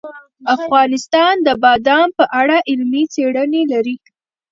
افغانستان د بادام په اړه علمي څېړنې لري.